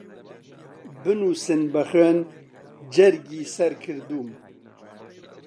بنووسن بە خوێن جەرگی سەر کردووم